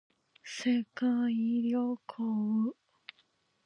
世界旅行